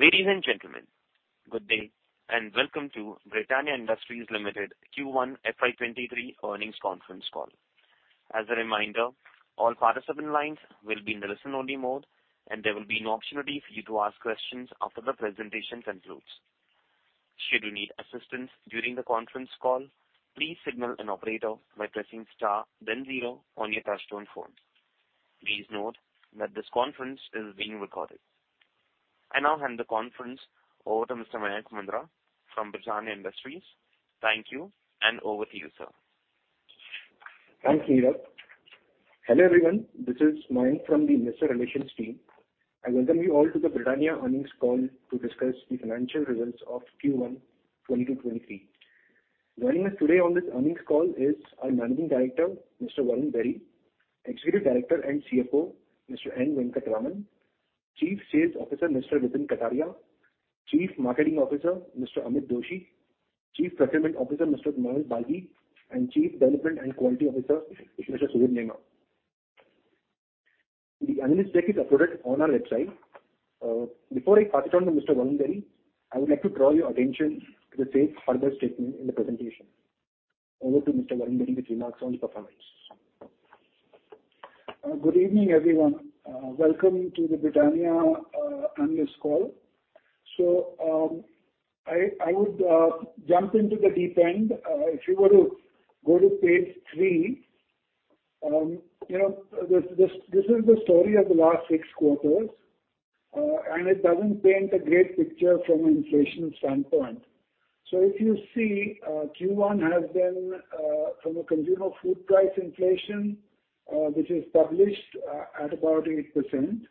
Ladies and gentlemen, good day, and welcome to Britannia Industries Limited Q1 FY23 earnings conference call. As a reminder, all participant lines will be in the listen-only mode, and there will be an opportunity for you to ask questions after the presentation concludes. Should you need assistance during the conference call, please signal an operator by pressing star then zero on your touch-tone phone. Please note that this conference is being recorded. I now hand the conference over to Mr. Mayank Mundra from Britannia Industries. Thank you, and over to you, sir. Thanks, Neeraj. Hello, everyone. This is Mayank from the investor relations team. I welcome you all to the Britannia earnings call to discuss the financial results of Q1 2023. Joining us today on this earnings call is our Managing Director, Mr. Varun Berry, Executive Director and CFO, Mr. N. Venkataraman, Chief Commercial Officer, Mr. Vipin Kataria, Chief Marketing Officer, Mr. Amit Doshi, Chief Procurement Officer, Mr. Manoj Balgi, and Chief Development and Quality Officer, Mr. Sudhir Nema. The analyst deck is uploaded on our website. Before I pass it on to Mr. Varun Berry, I would like to draw your attention to the safe harbor statement in the presentation. Over to Mr. Varun Berry with remarks on the performance. Good evening, everyone. Welcome to the Britannia analyst call. I would jump into the deep end. If you were to go to page 3, you know, this is the story of the last six quarters, and it doesn't paint a great picture from an inflation standpoint. If you see, Q1 has been from a consumer food price inflation, which is published at about 8%.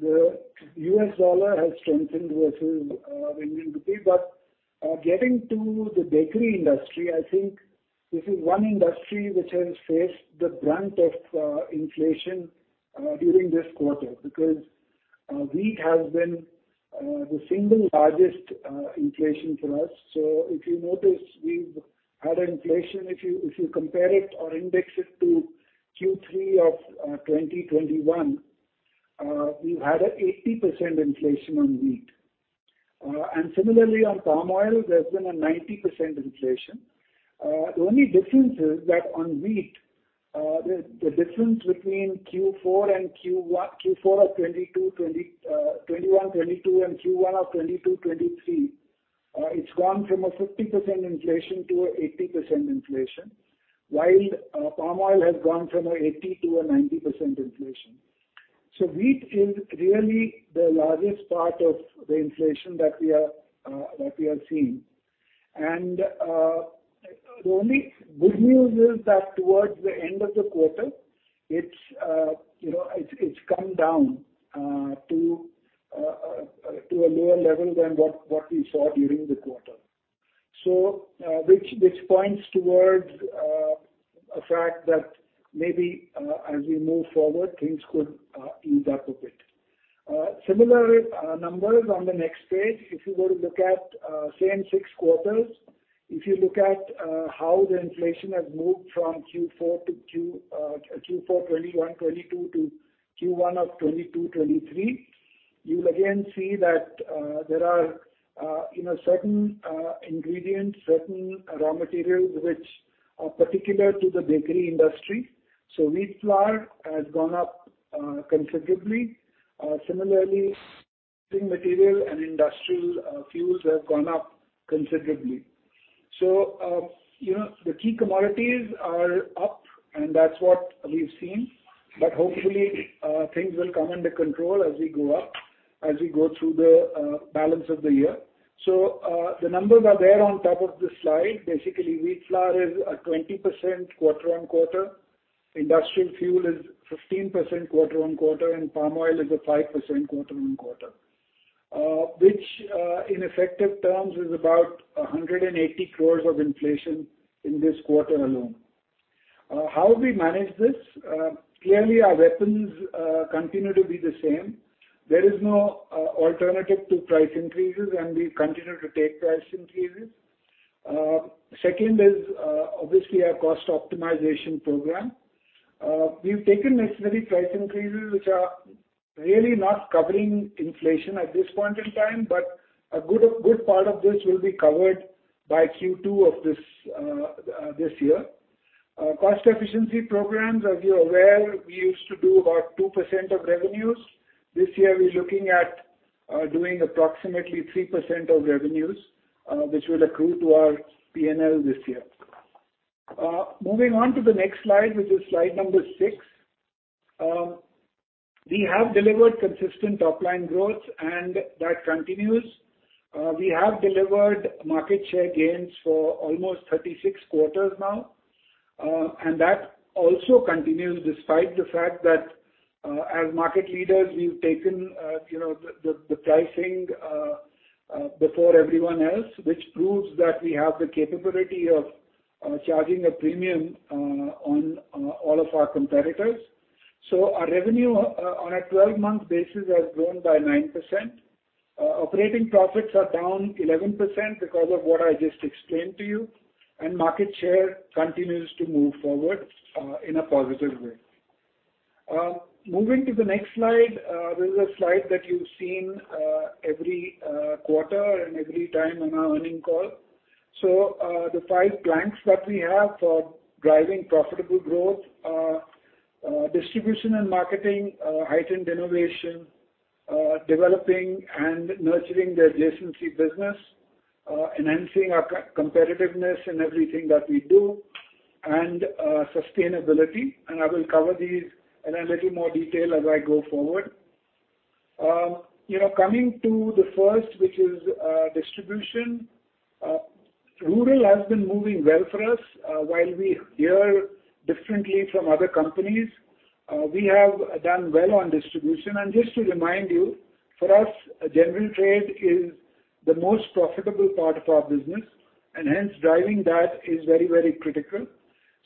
The US dollar has strengthened versus the Indian rupee. Getting to the bakery industry, I think this is one industry which has faced the brunt of inflation during this quarter, because wheat has been the single largest inflation for us. If you notice, we've had an inflation. If you compare it or index it to Q3 of 2021, we've had an 80% inflation on wheat. And similarly on palm oil, there's been a 90% inflation. The only difference is that on wheat, the difference between Q4 and Q1, Q4 of 2021-22 and Q1 of 2022-23, it's gone from a 50% inflation to an 80% inflation. While palm oil has gone from an 80% to a 90% inflation. Wheat is really the largest part of the inflation that we are seeing. The only good news is that towards the end of the quarter, you know, it's come down to a lower level than what we saw during the quarter. Which points towards a fact that maybe as we move forward, things could ease up a bit. Similarly, numbers on the next page. If you were to look at same six quarters, if you look at how the inflation has moved from Q4 to Q4 2021-22 to Q1 of 2022-23, you'll again see that there are you know certain ingredients, certain raw materials which are particular to the bakery industry. Wheat flour has gone up considerably. Similarly, sugar, material and industrial fuels have gone up considerably. You know, the key commodities are up, and that's what we've seen. Hopefully, things will come under control as we go up, as we go through the balance of the year. The numbers are there on top of this slide. Basically, wheat flour is at 20% quarter-on-quarter. Industrial fuel is 15% quarter-on-quarter, and palm oil is a 5% quarter-on-quarter. Which, in effective terms is about 180 crores of inflation in this quarter alone. How we manage this? Clearly our weapons continue to be the same. There is no alternative to price increases, and we continue to take price increases. Second is, obviously our cost optimization program. We've taken necessary price increases, which are really not covering inflation at this point in time, but a good part of this will be covered by Q2 of this year. Cost efficiency programs, as you're aware, we used to do about 2% of revenues. This year we're looking at doing approximately 3% of revenues, which will accrue to our P&L this year. Moving on to the next slide, which is slide number 6. We have delivered consistent top-line growth, and that continues. We have delivered market share gains for almost 36 quarters now, and that also continues despite the fact that, as market leaders, we've taken, you know, the pricing before everyone else. Which proves that we have the capability of charging a premium on all of our competitors. Our revenue on a 12-month basis has grown by 9%. Operating profits are down 11% because of what I just explained to you, and market share continues to move forward in a positive way. Moving to the next slide, this is a slide that you've seen every quarter and every time on our earnings call. The five planks that we have for driving profitable growth are distribution and marketing, heightened innovation, developing and nurturing the adjacency business, enhancing our competitiveness in everything that we do, and sustainability. I will cover these in a little more detail as I go forward. You know, coming to the first, which is distribution. Rural has been moving well for us. While we hear differently from other companies, we have done well on distribution. Just to remind you, for us, general trade is the most profitable part of our business, and hence driving that is very, very critical.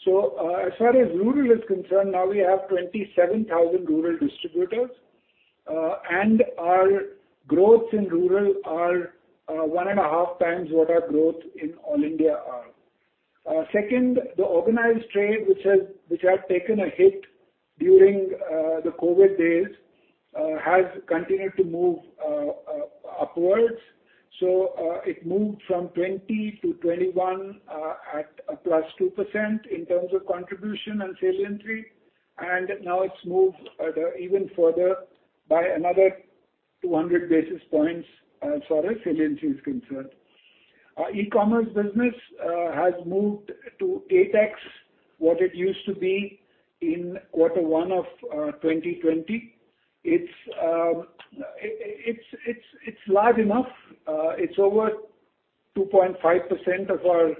As far as rural is concerned, now we have 27 rural distributors, and our growth in rural are one and a half times what our growth in all India are. Second, the organized trade, which has taken a hit during the COVID days, has continued to move upwards. It moved from 2020 to 2021 at +2% in terms of contribution and saliency. Now it's moved even further by another 200 basis points as far as saliency is concerned. Our e-commerce business has moved to 8x what it used to be in quarter one of 2020. It's large enough. It's over 2.5% of our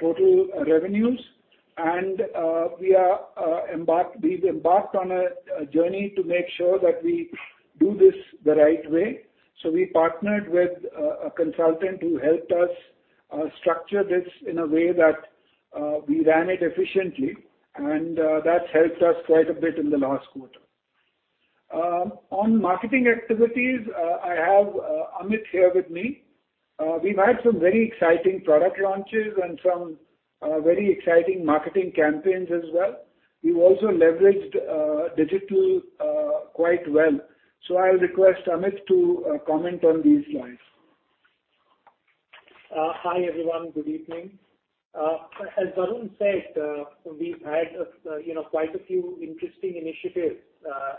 total revenues. We've embarked on a journey to make sure that we do this the right way. We partnered with a consultant who helped us structure this in a way that we ran it efficiently, and that's helped us quite a bit in the last quarter. On marketing activities, I have Amit here with me. We've had some very exciting product launches and some very exciting marketing campaigns as well. We've also leveraged digital quite well. I'll request Amit to comment on these slides. Hi, everyone. Good evening. As Varun said, we've had, you know, quite a few interesting initiatives,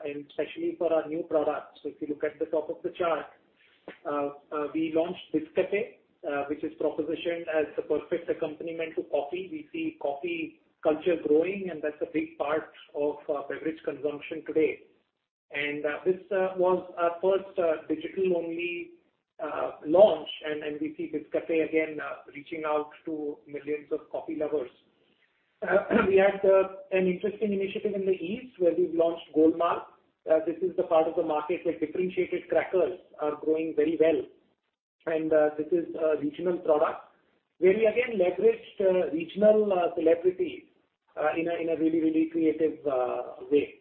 and especially for our new products. If you look at the top of the chart, we launched Biscafe, which is propositioned as the perfect accompaniment to coffee. We see coffee culture growing, and that's a big part of beverage consumption today. This was our first digital-only launch. We see Biscafe again reaching out to millions of coffee lovers. We had an interesting initiative in the east where we've launched Goldmark. This is the part of the market where differentiated crackers are growing very well. This is a regional product where we again leveraged regional celebrity in a really creative way.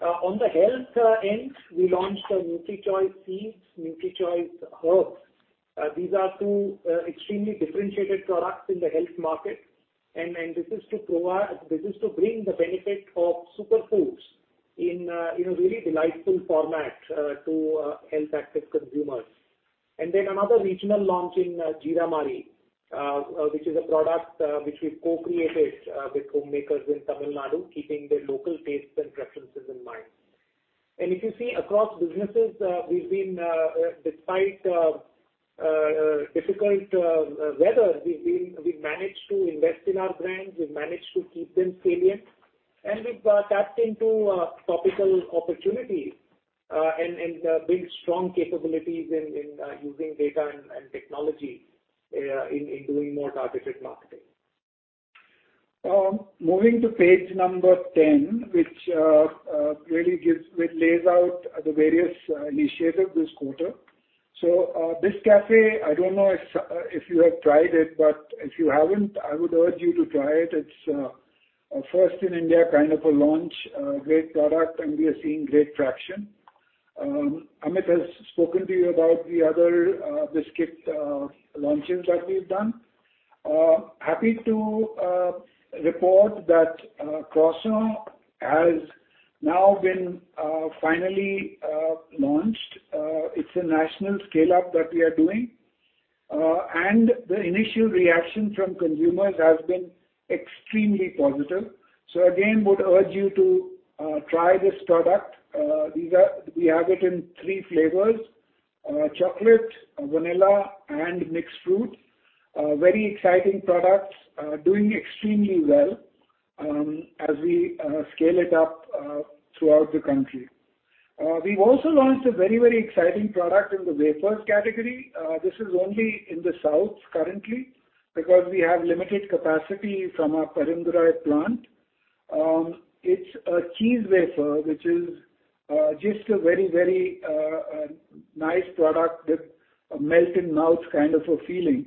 On the health end, we launched NutriChoice Seeds, NutriChoice Herbs. These are two extremely differentiated products in the health market. This is to bring the benefit of superfoods in a really delightful format to health-active consumers. Another regional launch in MarieGold Jeera, which is a product which we've co-created with homemakers in Tamil Nadu, keeping their local tastes and preferences in mind. If you see across businesses, we've been despite difficult weather. We've managed to invest in our brands, we've managed to keep them salient, and we've tapped into topical opportunities, and built strong capabilities in using data and technology in doing more targeted marketing. Moving to page number 10, which lays out the various initiatives this quarter. Biscafe, I don't know if you have tried it, but if you haven't, I would urge you to try it. It's a first in India kind of a launch, great product, and we are seeing great traction. Amit has spoken to you about the other biscuit launches that we've done. Happy to report that Treat Croissant has now been finally launched. It's a national scale-up that we are doing. The initial reaction from consumers has been extremely positive. Again, would urge you to try this product. We have it in three flavors, chocolate, vanilla, and mixed fruit. Very exciting products doing extremely well as we scale it up throughout the country. We've also launched a very exciting product in the wafers category. This is only in the south currently because we have limited capacity from our Perundurai plant. It's a cheese wafer, which is just a very nice product with a melt-in-mouth kind of a feeling.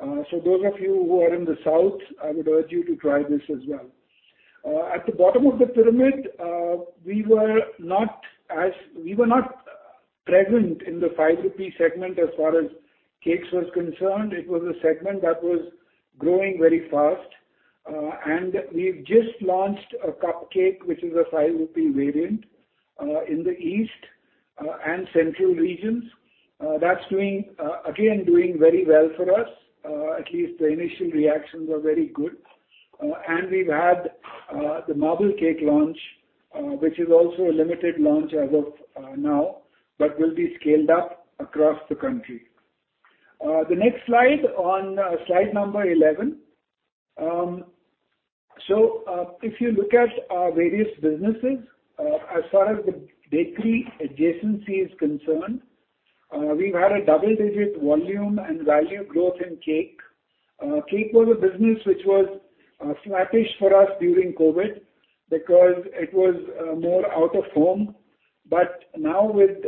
Those of you who are in the south, I would urge you to try this as well. At the bottom of the pyramid, we were not present in the 5 rupee segment as far as cakes was concerned. It was a segment that was growing very fast. We've just launched a cupcake, which is an 5 rupee variant in the east and central regions. That's doing very well for us again. At least the initial reactions are very good. We've had the marble cake launch, which is also a limited launch as of now, but will be scaled up across the country. The next slide on slide number eleven. If you look at our various businesses, as far as the bakery adjacency is concerned, we've had a double-digit volume and value growth in cake. Cake was a business which was flattish for us during COVID because it was more out-of-home. Now with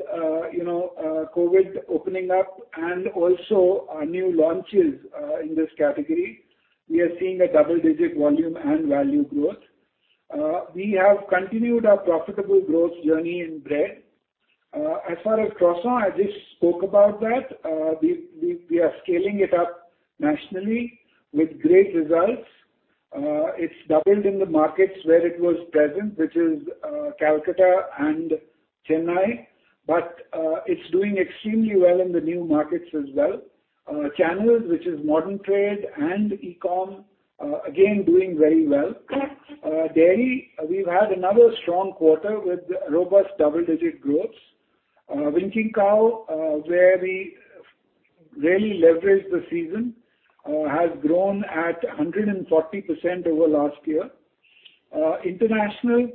you know, COVID opening up and also our new launches in this category, we are seeing a double-digit volume and value growth. We have continued our profitable growth journey in bread. As far as croissant, I just spoke about that. We are scaling it up nationally with great results. It's doubled in the markets where it was present, which is Kolkata and Chennai, but it's doing extremely well in the new markets as well. Channels, which is modern trade and e-com, again doing very well. Dairy, we've had another strong quarter with robust double-digit growth. Winkin' Cow, where we really leveraged the season, has grown at 140% over last year. International,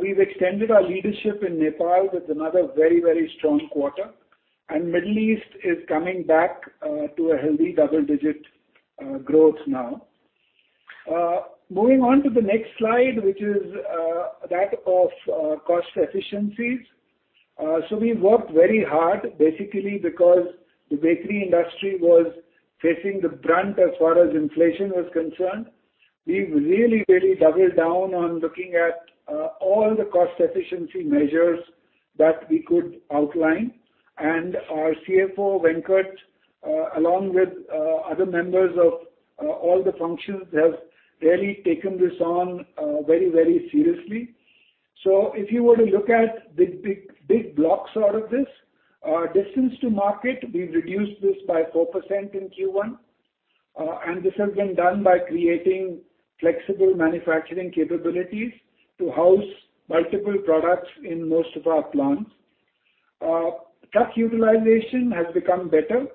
we've extended our leadership in Nepal with another very, very strong quarter. Middle East is coming back to a healthy double-digit growth now. Moving on to the next slide, which is that of cost efficiencies. We worked very hard basically because the bakery industry was facing the brunt as far as inflation was concerned. We really doubled down on looking at all the cost efficiency measures that we could outline. Our CFO, Venkat, along with other members of all the functions, has really taken this on very seriously. If you were to look at the big blocks out of this, distance to market, we've reduced this by 4% in Q1. This has been done by creating flexible manufacturing capabilities to house multiple products in most of our plants. Truck utilization has become better.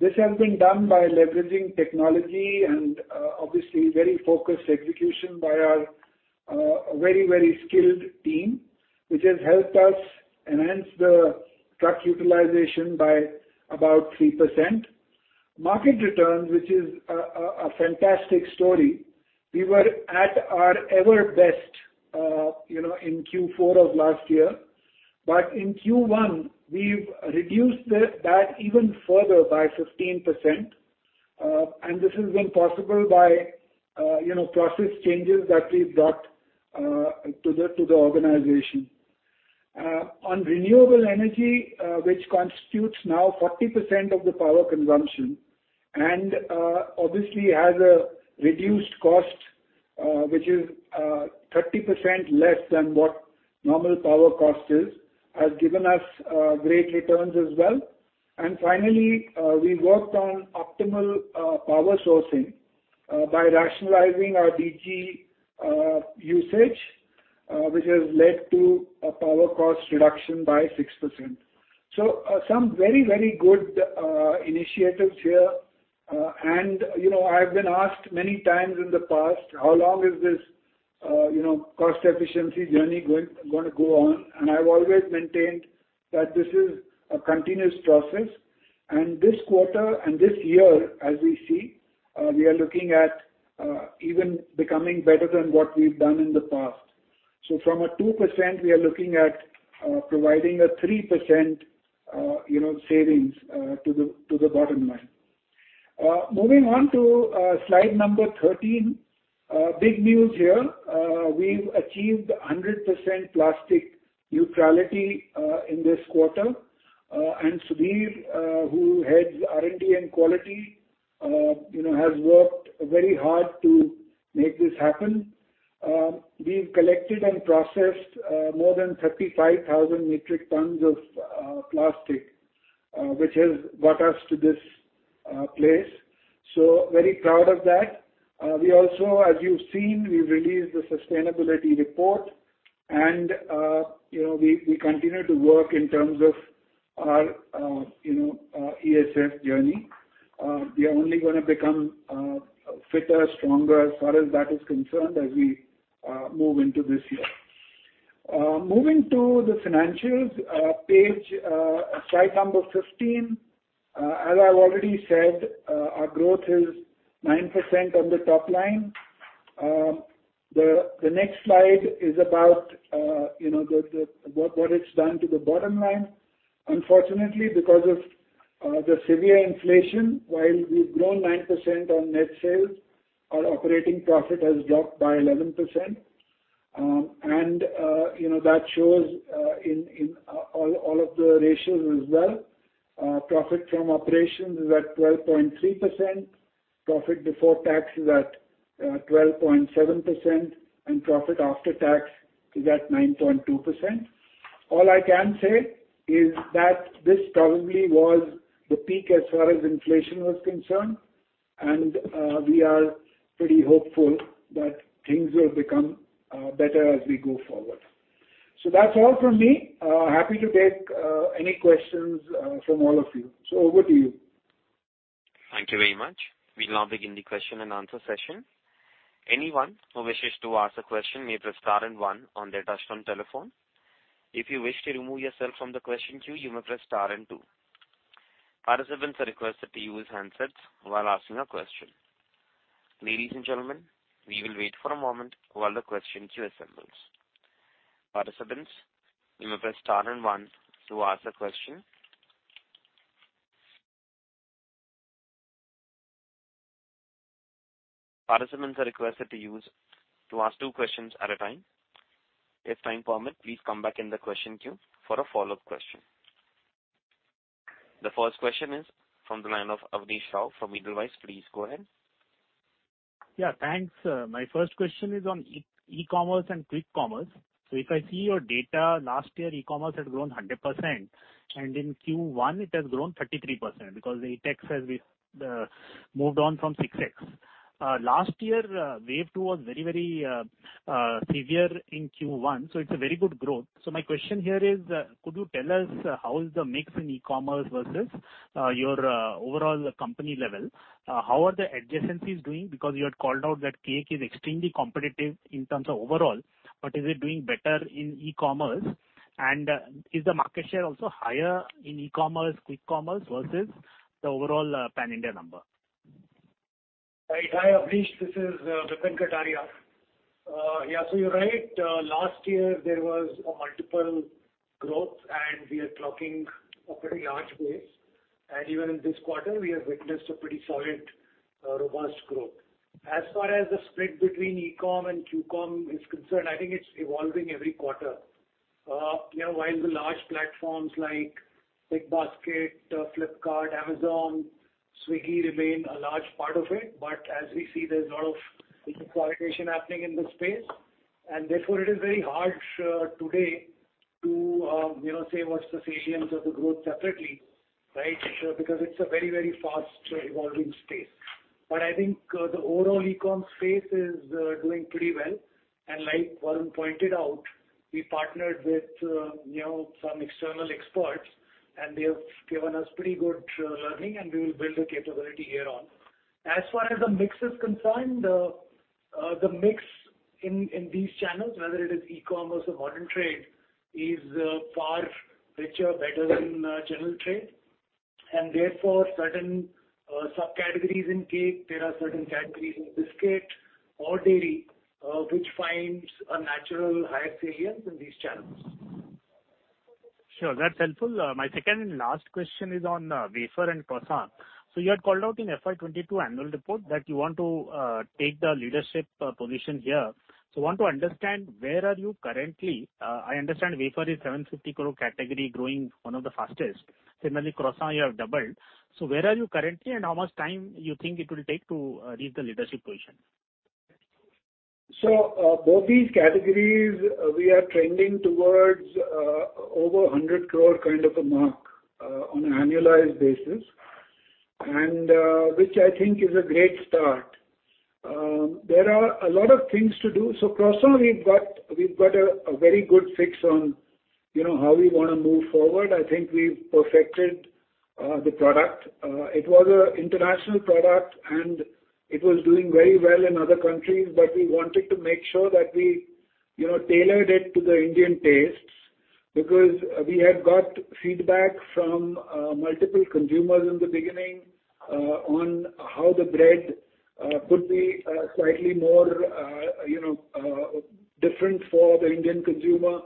This has been done by leveraging technology and obviously very focused execution by our very skilled team, which has helped us enhance the truck utilization by about 3%. Market returns, which is a fantastic story. We were at our ever best in Q4 of last year. In Q1, we've reduced that even further by 15%. This has been possible by process changes that we've brought to the organization. On renewable energy, which constitutes now 40% of the power consumption, obviously has a reduced cost, which is 30% less than what normal power cost is, has given us great returns as well. Finally, we worked on optimal power sourcing by rationalizing our DG usage, which has led to a power cost reduction by 6%. Some very good initiatives here. You know, I've been asked many times in the past how long is this you know cost efficiency journey going to go on? I've always maintained that this is a continuous process. This quarter and this year, as we see, we are looking at even becoming better than what we've done in the past. From a 2%, we are looking at providing a 3% you know savings to the bottom line. Moving on to slide number 13. Big news here. We've achieved 100% plastic neutrality in this quarter. Sudhir who heads R&D and Quality you know has worked very hard to make this happen. We've collected and processed more than 35,000 metric tons of plastic, which has brought us to this place. Very proud of that. We also, as you've seen, we've released the sustainability report and, you know, we continue to work in terms of our, you know, ESG journey. We are only gonna become fitter, stronger as far as that is concerned as we move into this year. Moving to the financials, page, slide number 15. As I've already said, our growth is 9% on the top line. The next slide is about, you know, the, what it's done to the bottom line. Unfortunately, because of the severe inflation, while we've grown 9% on net sales, our operating profit has dropped by 11%. You know that shows in all of the ratios as well. Profit from operations is at 12.3%. Profit before tax is at 12.7%, and profit after tax is at 9.2%. All I can say is that this probably was the peak as far as inflation was concerned, and we are pretty hopeful that things will become better as we go forward. That's all from me. Happy to take any questions from all of you. Over to you. Thank you very much. We'll now begin the question-and-answer session. Anyone who wishes to ask a question may press star and one on their touch-tone telephone. If you wish to remove yourself from the question queue, you may press star and two. Participants are requested to use handsets while asking a question. Ladies and gentlemen, we will wait for a moment while the question queue assembles. Participants, you may press star and one to ask a question. Participants are requested to ask two questions at a time. If time permit, please come back in the question queue for a follow-up question. The first question is from the line of Abneesh Roy from Edelweiss. Please go ahead. Yeah, thanks. My first question is on e-commerce and quick commerce. If I see your data, last year e-commerce had grown 100%, and in Q1 it has grown 33% because the tax has moved on from 6X. Last year, wave two was very severe in Q1, so it's a very good growth. My question here is, could you tell us how is the mix in e-commerce versus your overall company level? How are the adjacencies doing? Because you had called out that cake is extremely competitive in terms of overall, but is it doing better in e-commerce? And is the market share also higher in e-commerce, quick commerce versus the overall Pan-India number? Right. Hi, Abneesh, this is, Vipin Kataria. Yeah, you're right. Last year there was a multiple growth and we are clocking a pretty large base. Even in this quarter we have witnessed a pretty solid, robust growth. As far as the split between e-com and Q-commerce is concerned, I think it's evolving every quarter. You know, while the large platforms like BigBasket, Flipkart, Amazon, Swiggy remain a large part of it, but as we see, there's a lot of consolidation happening in this space. Therefore it is very hard today to, you know, say what's the salience of the growth separately, right? Because it's a very, very fast evolving space. I think, the overall e-com space is, doing pretty well. Like Varun pointed out, we partnered with, you know, some external experts, and they have given us pretty good learning, and we will build the capability here on. As far as the mix is concerned, the mix in these channels, whether it is e-commerce or modern trade, is far richer, better than general trade. Therefore, certain subcategories in cake, there are certain categories in biscuit or dairy, which finds a natural higher salience in these channels. Sure, that's helpful. My second and last question is on wafer and croissant. You had called out in FY22 annual report that you want to take the leadership position here. I want to understand where you are currently. I understand wafer is 750 crore category growing one of the fastest. Similarly, croissant you have doubled. Where are you currently, and how much time you think it will take to reach the leadership position? Both these categories, we are trending towards over 100 crore kind of a mark on an annualized basis, which I think is a great start. There are a lot of things to do. Treat Croissant we've got a very good fix on, you know, how we wanna move forward. I think we've perfected the product. It was an international product, and it was doing very well in other countries. We wanted to make sure that we, you know, tailored it to the Indian tastes because we had got feedback from multiple consumers in the beginning on how the bread could be slightly more, you know, different for the Indian consumer.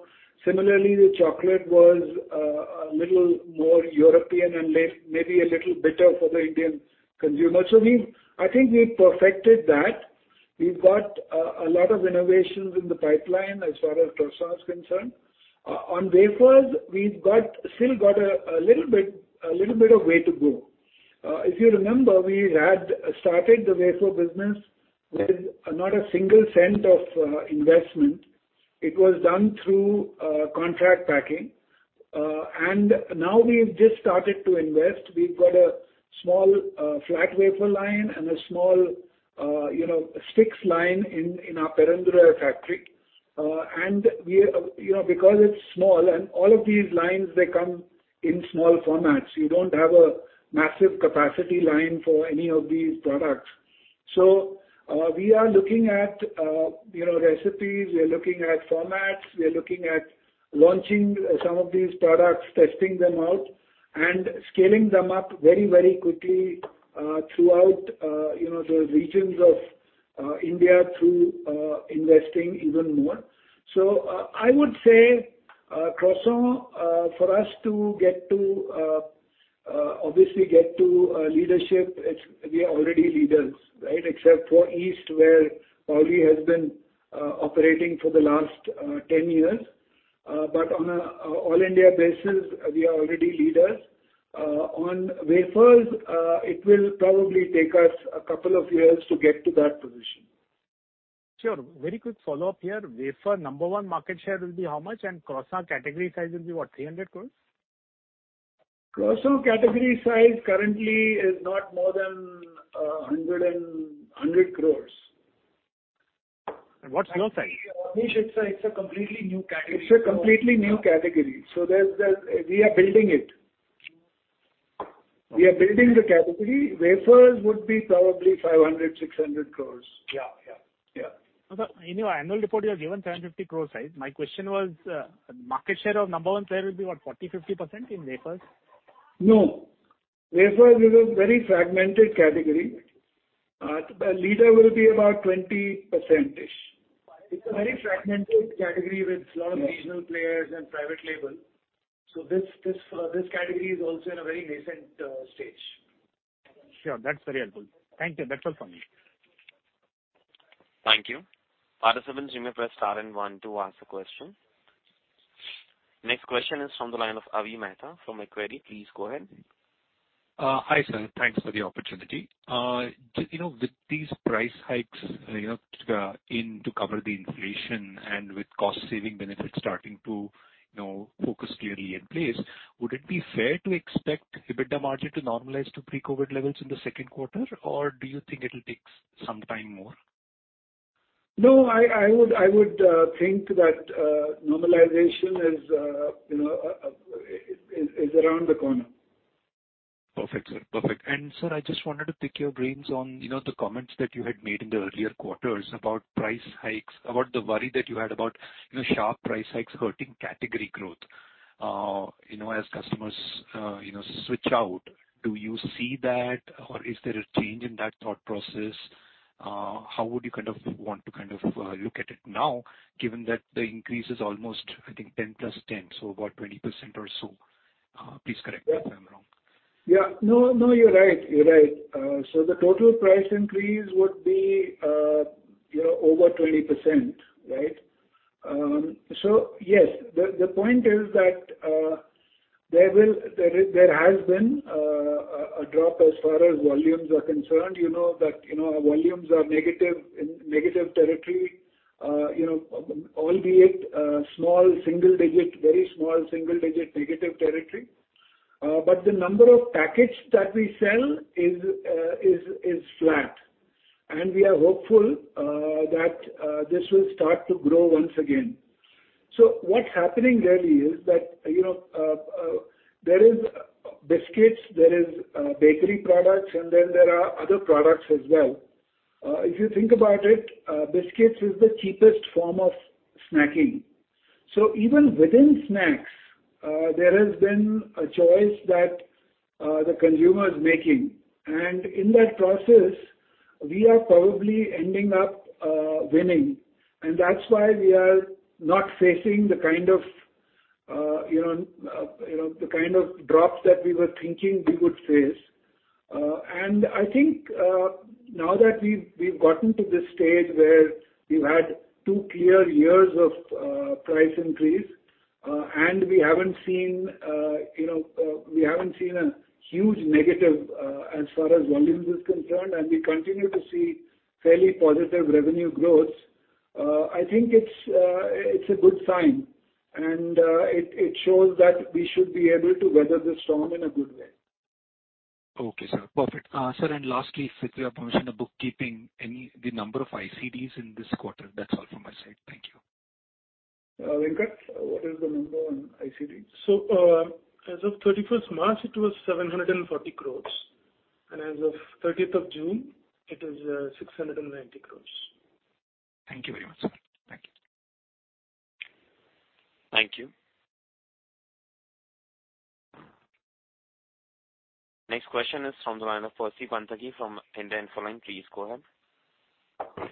Similarly, the chocolate was a little more European and maybe a little bitter for the Indian consumer. I think we've perfected that. We've got a lot of innovations in the pipeline as far as croissant is concerned. On wafers, we've still got a little bit of way to go. If you remember, we had started the wafer business with not a single cent of investment. It was done through contract packing. Now we've just started to invest. We've got a small flat wafer line and a small sticks line in our Perundurai factory. Because it's small, and all of these lines, they come in small formats. You don't have a massive capacity line for any of these products. We are looking at, you know, recipes, we are looking at formats, we are looking at launching some of these products, testing them out, and scaling them up very, very quickly, throughout, you know, the regions of India through investing even more. I would say, croissant, for us to get to, obviously get to leadership, it's we are already leaders, right? Except for East, where Parle has been operating for the last 10 years. But on an all-India basis, we are already leaders. On wafers, it will probably take us a couple of years to get to that position. Sure. Very quick follow-up here. Wafer number one market share will be how much? And croissant category size will be what, 300 crores? Croissant category size currently is not more than 100 crore. What's low size? Abneesh Roy, it's a completely new category. It's a completely new category. We are building it. We are building the category. Wafers would be probably 500 crores-600 crores. Yeah. Sir, in your annual report you have given 750 crore size. My question was, market share of number one player will be what, 40%-50% in wafers? No. Wafers is a very fragmented category. The leader will be about 20%-ish. It's a very fragmented category. Yes. A lot of regional players and private label. This category is also in a very nascent stage. Sure. That's very helpful. Thank you. That's all from me. Thank you. Participants, you may press star and one to ask a question. Next question is from the line of Avi Mehta from Macquarie. Please go ahead. Hi, sir. Thanks for the opportunity. Do you know with these price hikes, you know, intended to cover the inflation and with cost saving benefits starting to, you know, focus clearly in place, would it be fair to expect EBITDA margin to normalize to pre-COVID levels in the second quarter? Or do you think it'll take some time more? No, I would think that, you know, is around the corner. Perfect, sir. Perfect. Sir, I just wanted to pick your brains on the comments that you had made in the earlier quarters about price hikes, about the worry that you had about, you know, sharp price hikes hurting category growth. You know, as customers, you know, switch out, do you see that or is there a change in that thought process? How would you kind of want to look at it now, given that the increase is almost, I think 10 + 10, so about 20% or so? Please correct me if I'm wrong. Yeah. No, you're right. The total price increase would be, you know, over 20%, right? Yes, the point is that there has been a drop as far as volumes are concerned. You know that our volumes are in negative territory, you know, albeit very small single digit negative territory. The number of packets that we sell is flat, and we are hopeful that this will start to grow once again. What's happening really is that, you know, there are biscuits, bakery products, and then there are other products as well. If you think about it, biscuits is the cheapest form of snacking. Even within snacks, there has been a choice that the consumer is making. In that process we are probably ending up winning. That's why we are not facing the kind of, you know, the kind of drops that we were thinking we would face. I think now that we've gotten to this stage where we've had two clear years of price increase, and we haven't seen, you know, we haven't seen a huge negative as far as volumes is concerned, and we continue to see fairly positive revenue growth, I think it's a good sign, and it shows that we should be able to weather this storm in a good way. Okay, sir. Perfect. Sir, lastly, if we have permission, the number of ICDs in this quarter? That's all from my side. Thank you. Venkat, what is the number on ICD? As of 31st March, it was 740 crores, and as of 30th June, it is 690 crores. Thank you very much, sir. Thank you. Thank you. Next question is from the line of Percy Panthaki from India Infoline. Please go ahead.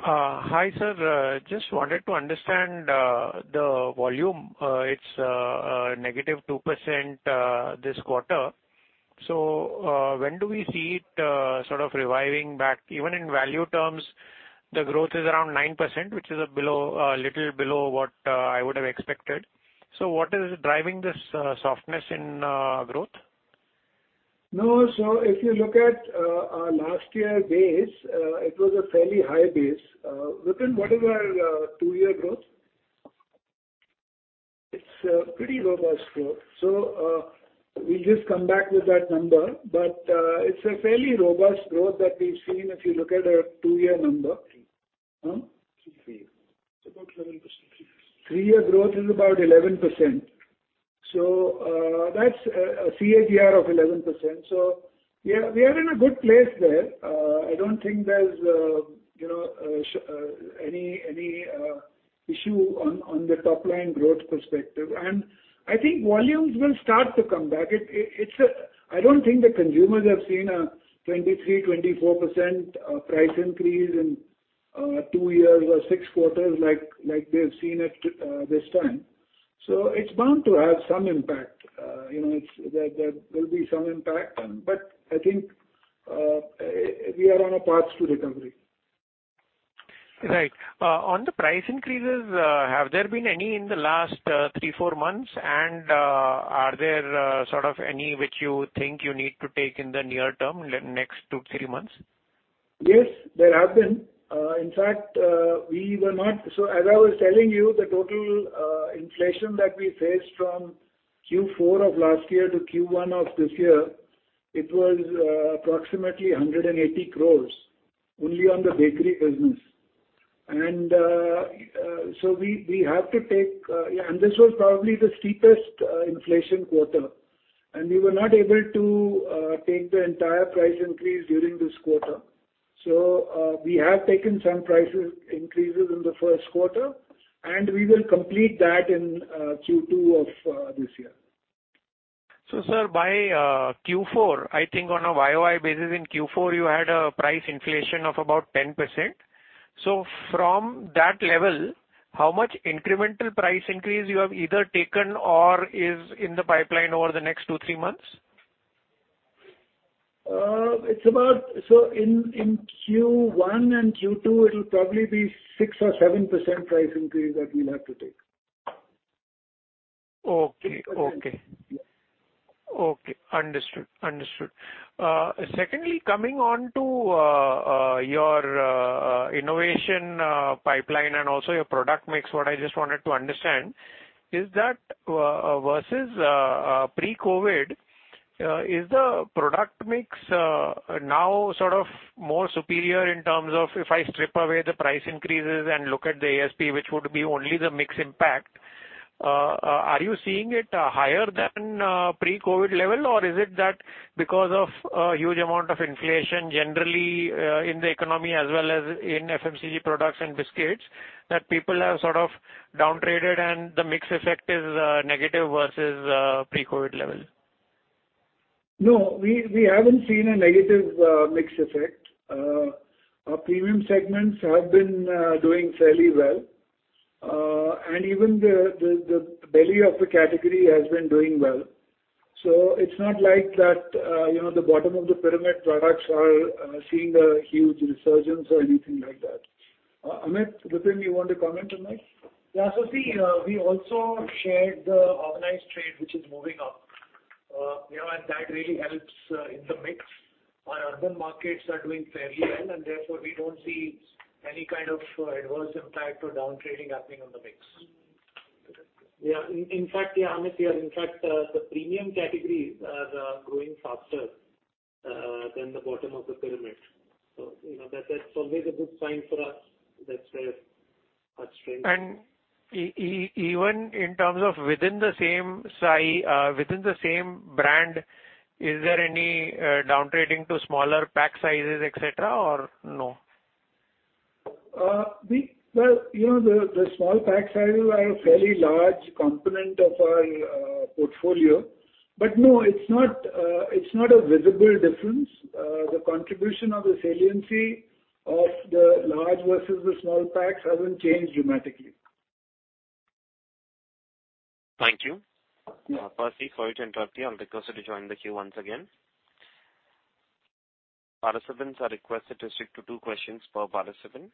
Hi, sir. Just wanted to understand the volume. It's negative 2% this quarter. When do we see it sort of reviving back? Even in value terms, the growth is around 9%, which is a little below what I would have expected. What is driving this softness in growth? No. If you look at our last year base, it was a fairly high base. Within what is our two-year growth? It's a pretty robust growth. We'll just come back with that number. It's a fairly robust growth that we've seen if you look at a two-year number. Three. Huh? 3. It's about 11% 3 years. Three-year growth is about 11%. That's a CAGR of 11%. We are in a good place there. I don't think there's any issue on the top line growth perspective. I think volumes will start to come back. I don't think the consumers have seen a 23%-24% price increase in two years or six quarters like they've seen it this time. It's bound to have some impact. There will be some impact then. I think we are on a path to recovery. Right. On the price increases, have there been any in the last 3-4 months? Are there sort of any which you think you need to take in the near term, the next 2-3 months? Yes, there have been. In fact, as I was telling you, the total inflation that we faced from Q4 of last year to Q1 of this year, it was approximately 180 crores only on the bakery business. Yeah, and this was probably the steepest inflation quarter, and we were not able to take the entire price increase during this quarter. We have taken some price increases in the first quarter, and we will complete that in Q2 of this year. Sir, by Q4, I think on a YOY basis in Q4 you had a price inflation of about 10%. From that level, how much incremental price increase you have either taken or is in the pipeline over the next 2, 3 months? In Q1 and Q2 it'll probably be 6%-7% price increase that we'll have to take. Okay. Okay. Yes. Okay. Understood. Secondly, coming on to your innovation pipeline and also your product mix, what I just wanted to understand is that versus pre-COVID, is the product mix now sort of more superior in terms of if I strip away the price increases and look at the ASP, which would be only the mix impact, are you seeing it higher than pre-COVID level? Or is it that because of a huge amount of inflation generally in the economy as well as in FMCG products and biscuits that people have sort of downtraded and the mix effect is negative versus pre-COVID level? No, we haven't seen a negative mix effect. Our premium segments have been doing fairly well. Even the value of the category has been doing well. It's not like that, you know, the bottom of the pyramid products are seeing a huge resurgence or anything like that. Amit, Vipin, you want to comment on that? Yeah. See, we also shared the organized trade which is moving up, you know, and that really helps in the mix. Our urban markets are doing fairly well, and therefore we don't see any kind of adverse impact or downtrading happening on the mix. Yeah. In fact, Amit here. In fact, the premium categories are growing faster than the bottom of the pyramid. You know, that's always a good sign for us that there's much strength. Even in terms of within the same CI, within the same brand, is there any downgrading to smaller pack sizes, et cetera, or no? Well, you know, the small pack sizes are a fairly large component of our portfolio. No, it's not a visible difference. The contribution of the saliency of the large versus the small packs hasn't changed dramatically. Thank you. Yeah. Sorry to interrupt you. I'll request you to join the queue once again. Participants are requested to stick to two questions per participant.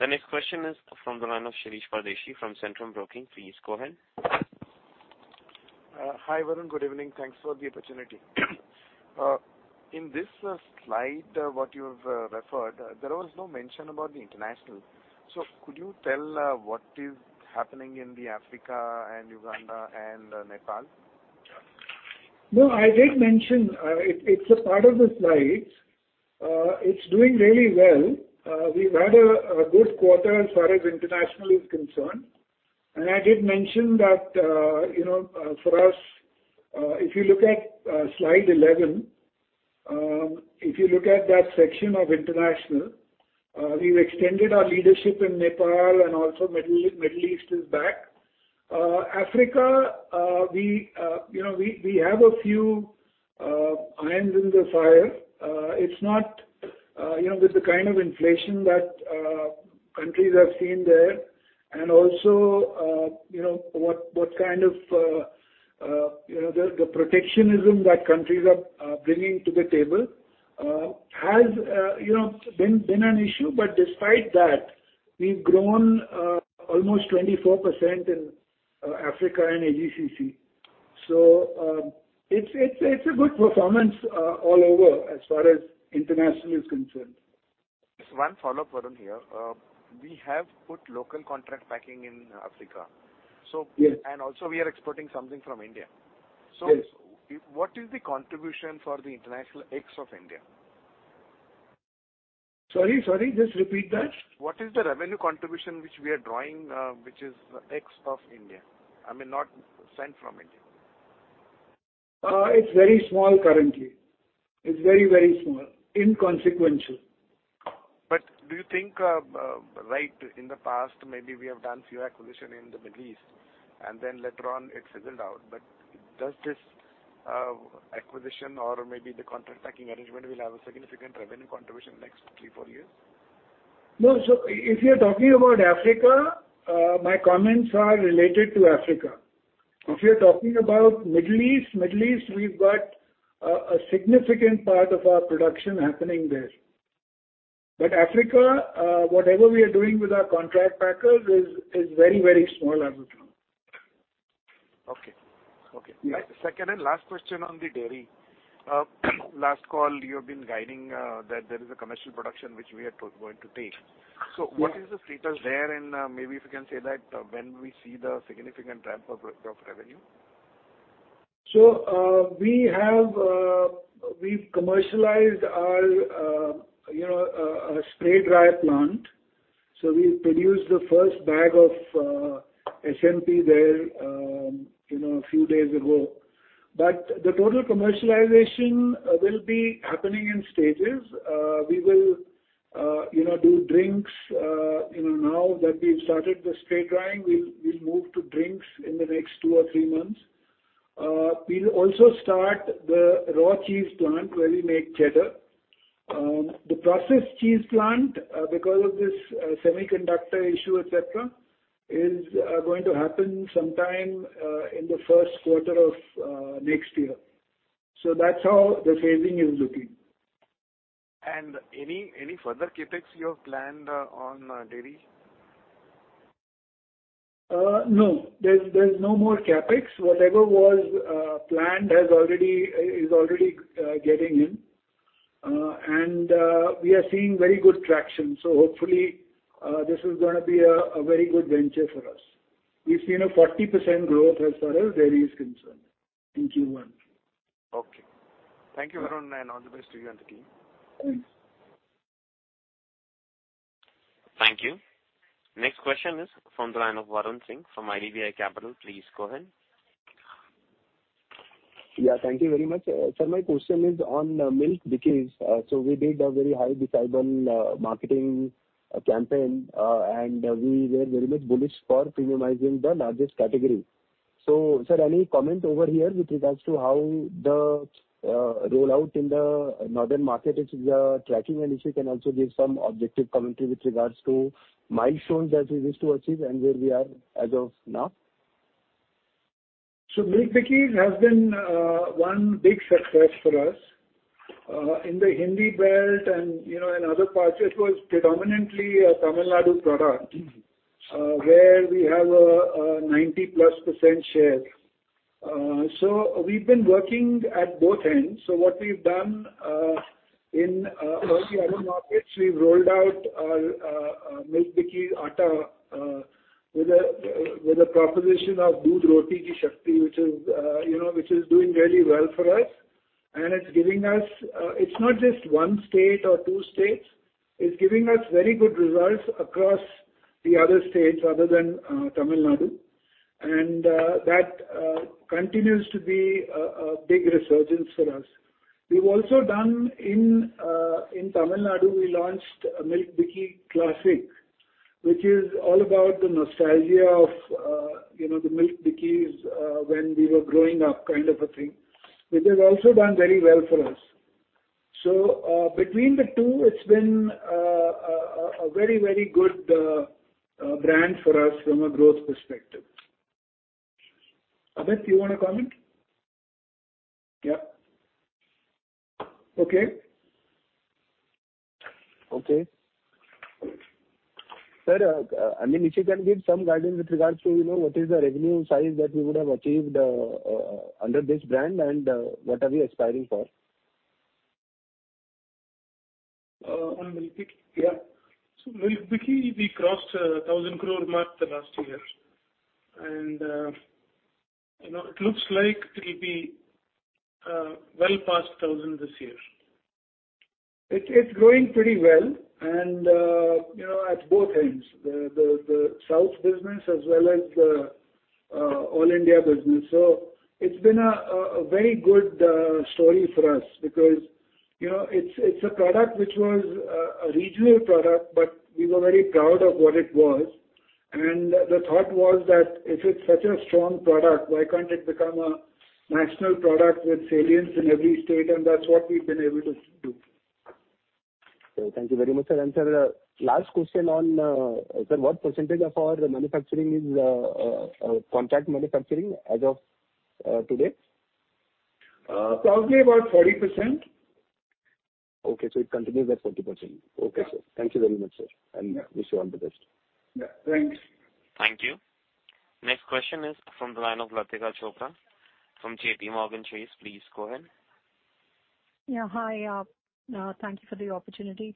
The next question is from the line of Shirish Pardeshi from Centrum Broking. Please go ahead. Hi, Varun. Good evening. Thanks for the opportunity. In this slide, what you have referred, there was no mention about the international. So could you tell what is happening in the Africa and Uganda and Nepal? No, I did mention. It's a part of the slides. It's doing really well. We've had a good quarter as far as international is concerned. I did mention that, you know, for us, if you look at slide 11, if you look at that section of international, we've extended our leadership in Nepal and also Middle East is back. Africa, we you know we have a few irons in the fire. It's not, you know, with the kind of inflation that countries have seen there and also, you know, what kind of the protectionism that countries are bringing to the table has you know been an issue. Despite that, we've grown almost 24% in Africa and GCC. It's a good performance all over as far as international is concerned. Just one follow-up, Varun, here. We have put local contract packing in Africa. Yes. Also we are exporting something from India. Yes. What is the contribution for the international ex India? Sorry. Just repeat that. What is the revenue contribution which we are drawing, which is ex-India? I mean, not sent from India. It's very small currently. It's very, very small. Inconsequential. Do you think, like in the past, maybe we have done few acquisition in the Middle East, and then later on it fizzled out. Does this acquisition or maybe the contract packing arrangement will have a significant revenue contribution the next 3-4 years? No. If you're talking about Africa, my comments are related to Africa. If you're talking about Middle East, we've got a significant part of our production happening there. Africa, whatever we are doing with our contract packers is very, very small as of now. Okay. Okay. Yeah. Second and last question on the dairy. Last call, you have been guiding that there is a commercial production which we are going to take. Yeah. What is the status there? Maybe if you can say that when we see the significant ramp of revenue. We've commercialized our, you know, spray dry plant. We produced the first bag of SMP there, you know, a few days ago. The total commercialization will be happening in stages. We will, you know, do drinks. You know, now that we've started the spray drying, we'll move to drinks in the next two or three months. We'll also start the raw cheese plant where we make cheddar. The processed cheese plant, because of this, semiconductor issue, et cetera, is going to happen sometime, in the first quarter of next year. That's how the phasing is looking. Any further CapEx you have planned on dairy? No. There's no more CapEx. Whatever was planned is already getting in. We are seeing very good traction. Hopefully, this is gonna be a very good venture for us. We've seen a 40% growth as far as dairy is concerned in Q1. Okay. Thank you, Varun, and all the best to you and the team. Thanks. Thank you. Next question is from the line of Varun Singh from IDBI Capital. Please go ahead. Yeah, thank you very much. Sir, my question is on Milk Bikis. We did a very high decibel marketing campaign, and we were very much bullish for premiumizing the largest category. Sir, any comment over here with regards to how the rollout in the northern market is tracking? And if you can also give some objective commentary with regards to milestones that we wish to achieve and where we are as of now? Milk Bikis has been one big success for us. In the Hindi belt and, you know, in other parts, it was predominantly a Tamil Nadu product, where we have a 90%+ share. We've been working at both ends. What we've done in all the other markets, we've rolled out our Milk Bikis Atta with a proposition of Doodh Roti ki Shakti, which is, you know, which is doing really well for us. It's giving us. It's not just one state or two states. It's giving us very good results across the other states other than Tamil Nadu. That continues to be a big resurgence for us. We've also done in Tamil Nadu, we launched Milk Bikis Classic, which is all about the nostalgia of, you know, the Milk Bikis, when we were growing up kind of a thing, which has also done very well for us. Between the two, it's been a very good brand for us from a growth perspective. Amit, you wanna comment? Yeah. Okay. Okay. Sir, I mean, if you can give some guidance with regards to, you know, what is the revenue size that we would have achieved, under this brand and, what are we aspiring for? On Milk Bikis? Yeah. Milk Bikis, we crossed 1,000 crore mark last year. You know, it looks like it'll be well past 1,000 crore this year. It's growing pretty well and, you know, at both ends, the South business as well as the all India business. It's been a very good story for us because, you know, it's a product which was a regional product, but we were very proud of what it was. The thought was that if it's such a strong product, why can't it become a national product with salience in every state? That's what we've been able to do. Thank you very much, sir. Sir, last question on, sir, what percentage of our manufacturing is, contract manufacturing as of, today? Probably about 40%. Okay, it continues at 40%. Yeah. Okay, sir. Thank you very much, sir. Yeah. Wish you all the best. Yeah. Thanks. Thank you. Next question is from the line of Latika Chopra from JPMorgan Chase. Please go ahead. Yeah. Hi. Thank you for the opportunity.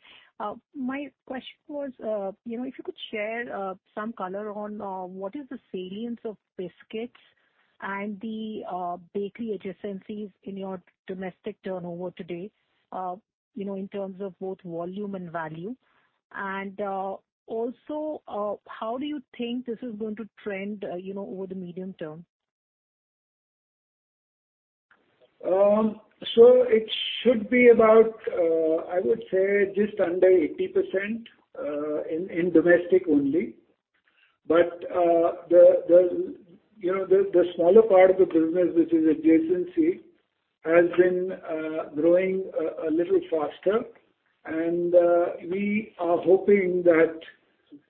My question was, you know, if you could share some color on what is the salience of biscuits and the bakery adjacencies in your domestic turnover today, you know, in terms of both volume and value. Also, how do you think this is going to trend, you know, over the medium term? It should be about, I would say, just under 80% in domestic only. The you know, the smaller part of the business, which is adjacency, has been growing a little faster. We are hoping that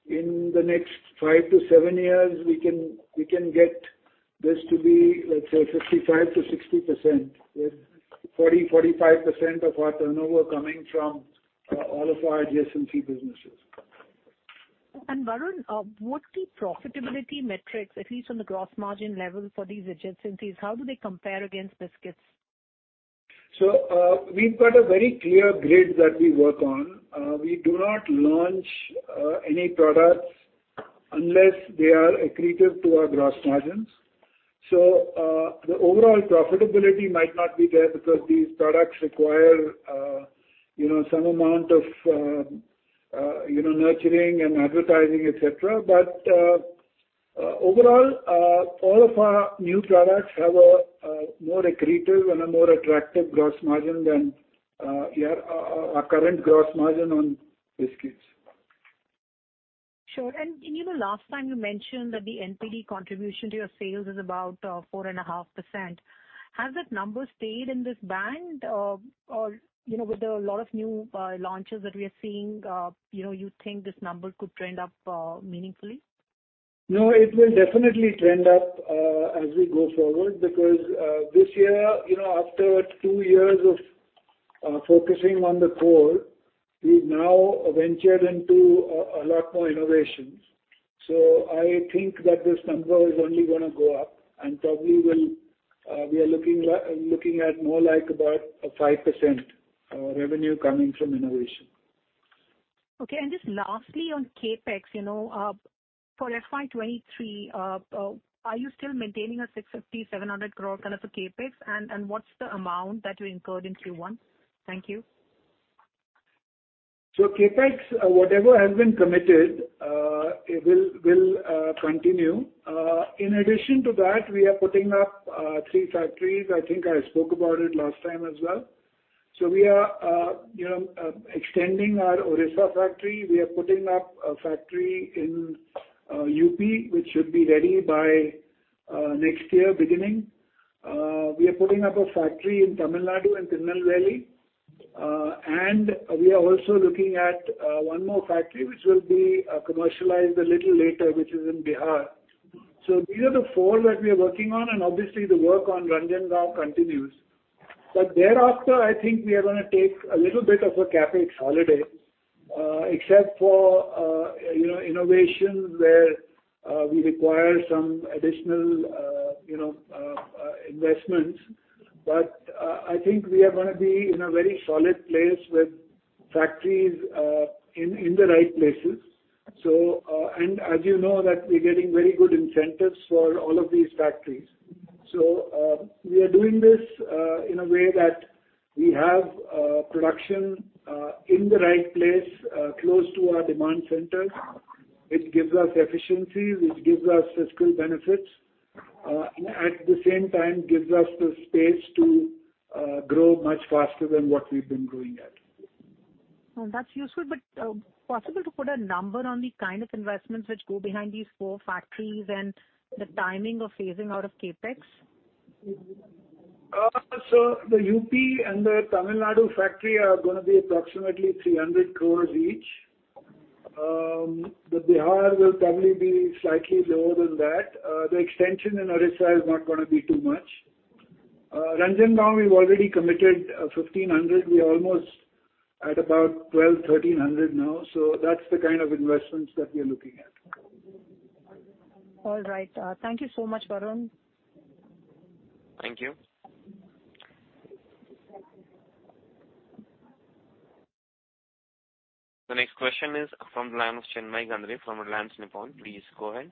in the next 5-7 years, we can get this to be, let's say, 55%-60% with 40%-45% of our turnover coming from all of our adjacency businesses. Varun, what the profitability metrics, at least on the gross margin level for these adjacencies, how do they compare against biscuits? We've got a very clear grid that we work on. We do not launch any products unless they are accretive to our gross margins. The overall profitability might not be there because these products require you know, some amount of you know, nurturing and advertising, et cetera. Overall, all of our new products have a more accretive and a more attractive gross margin than our current gross margin on biscuits. Sure. You know, last time you mentioned that the NPD contribution to your sales is about 4.5%. Has that number stayed in this band? Or, you know, with a lot of new launches that we are seeing, you know, you think this number could trend up meaningfully? No, it will definitely trend up as we go forward because this year, you know, after two years of focusing on the core, we've now ventured into a lot more innovations. I think that this number is only gonna go up and probably will, we are looking at more like about a 5% revenue coming from innovation. Okay. Just lastly, on CapEx, you know, for FY23, are you still maintaining a 650-700 crore kind of a CapEx? What's the amount that you incurred in Q1? Thank you. CapEx, whatever has been committed, it will continue. In addition to that, we are putting up three factories. I think I spoke about it last time as well. We are you know extending our Odisha factory. We are putting up a factory in UP, which should be ready by next year beginning. We are putting up a factory in Tamil Nadu, in Tirunelveli. We are also looking at one more factory which will be commercialized a little later, which is in Bihar. These are the four that we are working on, and obviously the work on Ranjangaon continues. Thereafter, I think we are gonna take a little bit of a CapEx holiday, except for you know innovation where we require some additional you know investments. I think we are gonna be in a very solid place with factories in the right places. As you know that we're getting very good incentives for all of these factories. We are doing this in a way that we have production in the right place close to our demand centers. It gives us efficiencies, it gives us fiscal benefits, and at the same time gives us the space to grow much faster than what we've been growing at. That's useful. Possible to put a number on the kind of investments which go behind these four factories and the timing of phasing out of CapEx? The UP and the Tamil Nadu factory are gonna be approximately 300 crore each. The Bihar will probably be slightly lower than that. The extension in Odisha is not gonna be too much. Ranjangaon, we've already committed 1,500. We're almost at about 1,200, 1,300 now. That's the kind of investments that we are looking at. All right. Thank you so much, Varun. Thank you. The next question is from the line of Chinmay Gandre from Reliance Nippon. Please go ahead.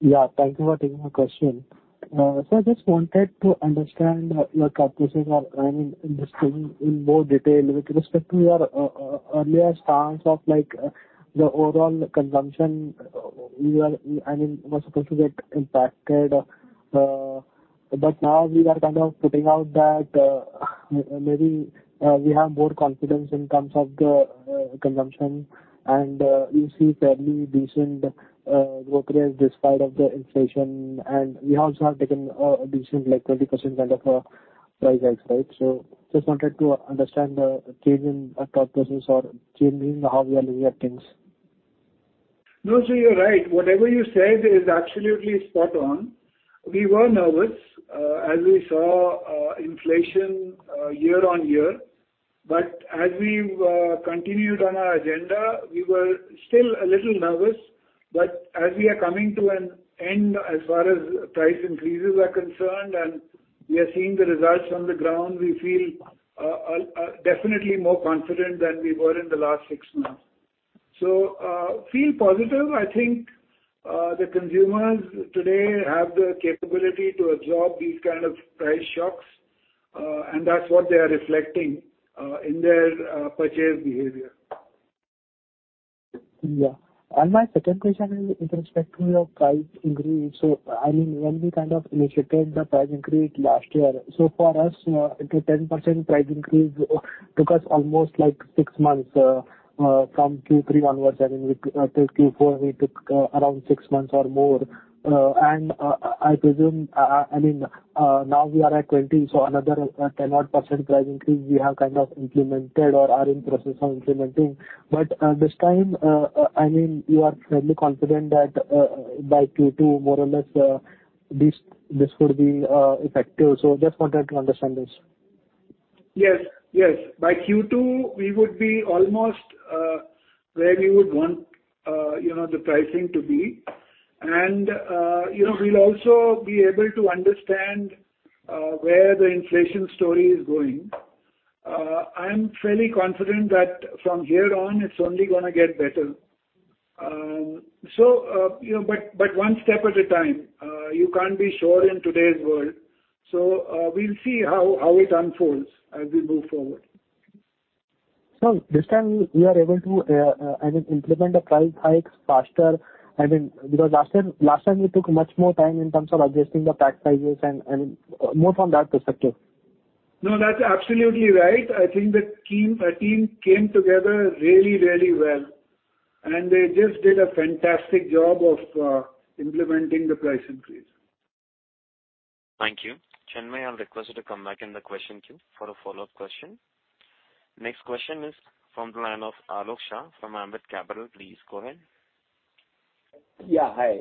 Yeah, thank you for taking my question. I just wanted to understand in more detail with respect to your earlier stance of like the overall consumption was supposed to get impacted. Now we are kind of putting out that maybe we have more confidence in terms of the consumption, and we see fairly decent growth rates despite of the inflation. We also have taken a decent like 20% kind of a price hike, right? Just wanted to understand the change in your top business or change in how you are looking at things. No, you're right. Whatever you said is absolutely spot on. We were nervous, as we saw, inflation, year on year. As we continued on our agenda, we were still a little nervous. As we are coming to an end as far as price increases are concerned and we are seeing the results on the ground, we feel definitely more confident than we were in the last six months. Feel positive. I think the consumers today have the capability to absorb these kind of price shocks, and that's what they are reflecting in their purchase behavior. Yeah. My second question is with respect to your price increase. I mean, when we kind of initiated the price increase last year, for us, it was 10% price increase took us almost like six months from Q3 onwards. I mean, till Q4 it took around six months or more. I presume, I mean, now we are at 20, so another 10% price increase we have kind of implemented or are in process of implementing. But this time, I mean, you are fairly confident that by Q2 more or less, this could be effective. Just wanted to understand this. Yes, yes. By Q2, we would be almost where we would want you know the pricing to be. You know, we'll also be able to understand where the inflation story is going. I'm fairly confident that from here on, it's only gonna get better. You know, but one step at a time. You can't be sure in today's world. We'll see how it unfolds as we move forward. This time we are able to, I mean, implement the price hikes faster. I mean, because last time it took much more time in terms of adjusting the pack sizes and, I mean, more from that perspective. No, that's absolutely right. I think the team, our team came together really, really well, and they just did a fantastic job of implementing the price increase. Thank you. Chinmay, I'll request you to come back in the question queue for a follow-up question. Next question is from the line of Alok Shah from Ambit Capital. Please go ahead. Yeah, hi.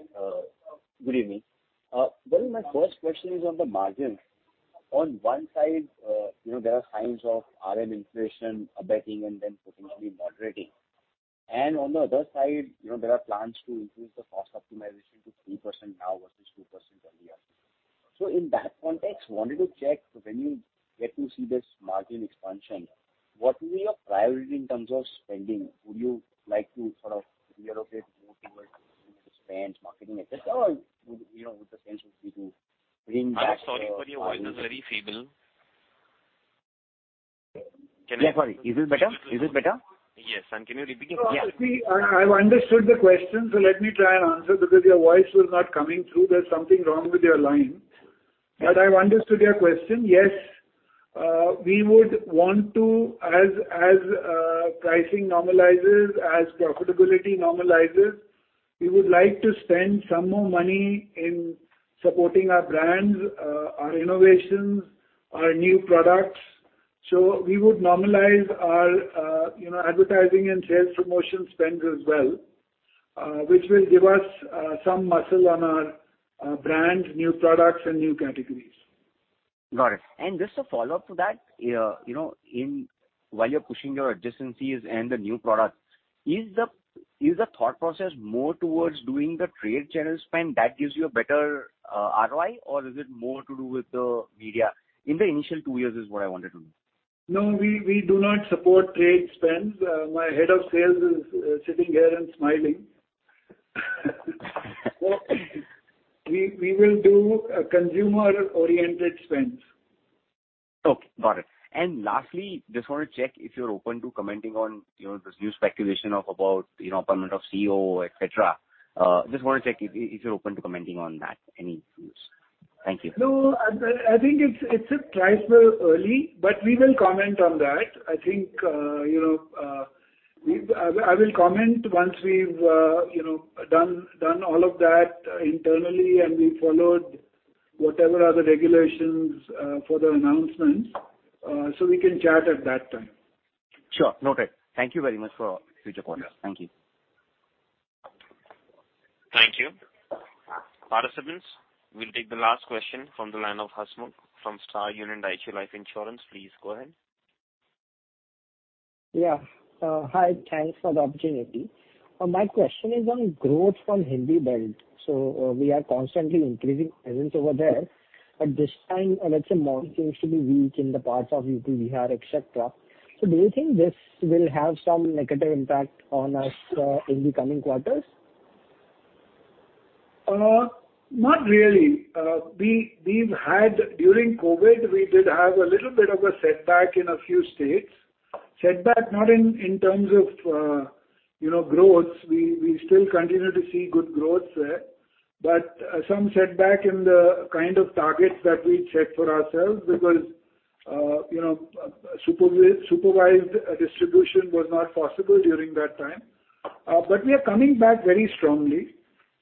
Good evening. Well, my first question is on the margins. On one side, you know, there are signs of RM inflation abating and then potentially moderating. On the other side, you know, there are plans to increase the cost optimization to 3% now versus 2% earlier. In that context, wanted to check when you get to see this margin expansion, what will be your priority in terms of spending? Would you like to sort of reallocate more towards spend, marketing, et cetera? Or would you know the sense be to bring back your- I'm sorry, but your voice is very feeble. Yeah, sorry. Is this better? Is this better? Yes. Can you repeat it? Yeah. See, I've understood the question, so let me try and answer because your voice was not coming through. There's something wrong with your line. I've understood your question. Yes, we would want to, as pricing normalizes, as profitability normalizes, we would like to spend some more money in supporting our brands, our innovations, our new products. We would normalize our, you know, advertising and sales promotion spend as well, which will give us some muscle on our brand, new products and new categories. Got it. Just a follow-up to that. You know, while you're pushing your adjacencies and the new product, is the thought process more towards doing the trade channel spend that gives you a better ROI or is it more to do with the media? In the initial two years is what I wanted to know. No, we do not support trade spends. My head of sales is sitting here and smiling. We will do a consumer-oriented spends. Okay, got it. Lastly, just wanna check if you're open to commenting on, you know, this new speculation about, you know, appointment of CEO, et cetera. Just wanna check if you're open to commenting on that. Any views? Thank you. No, I think it's a trifle early, but we will comment on that. I think, you know, I will comment once we've, you know, done all of that internally, and we followed whatever are the regulations, for the announcements, so we can chat at that time. Sure. Noted. Thank you very much for future call. Yes. Thank you. Thank you. Participants, we'll take the last question from the line of Hasmukh from Star Union Dai-ichi Life Insurance. Please go ahead. Yeah. Hi. Thanks for the opportunity. My question is on growth from Hindi Belt. We are constantly increasing presence over there, but this time, let's say, monsoon seems to be weak in the parts of UP, Bihar, et cetera. Do you think this will have some negative impact on us, in the coming quarters? Not really. During COVID, we did have a little bit of a setback in a few states. Setback not in terms of, you know, growth. We still continue to see good growth there. Some setback in the kind of targets that we set for ourselves because, you know, supervised distribution was not possible during that time. We are coming back very strongly.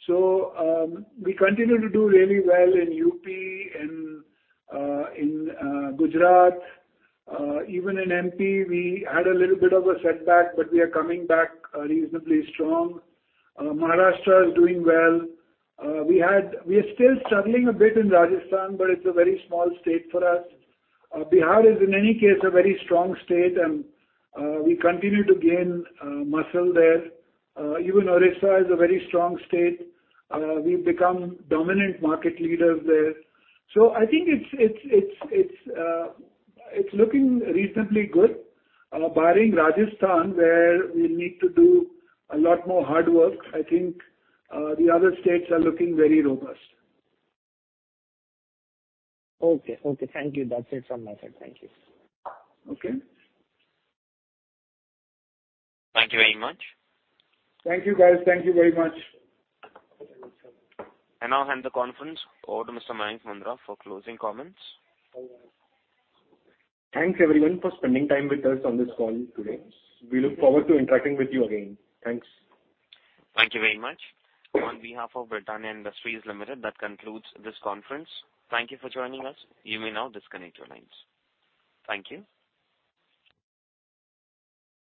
We continue to do really well in UP, in Gujarat. Even in MP, we had a little bit of a setback, but we are coming back reasonably strong. Maharashtra is doing well. We are still struggling a bit in Rajasthan, but it's a very small state for us. Bihar is in any case a very strong state, and we continue to gain muscle there. Even Odisha is a very strong state. We've become dominant market leaders there. I think it's looking reasonably good. Barring Rajasthan, where we need to do a lot more hard work, I think the other states are looking very robust. Okay. Okay. Thank you. That's it from my side. Thank you. Okay. Thank you very much. Thank you, guys. Thank you very much. I now hand the conference over to Mr. Mayank Mundra for closing comments. Thanks, everyone, for spending time with us on this call today. We look forward to interacting with you again. Thanks. Thank you very much. On behalf of Britannia Industries Limited, that concludes this conference. Thank you for joining us. You may now disconnect your lines. Thank you.